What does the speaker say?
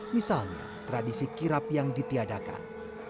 misalnya tradisi kirap yang ditiadakan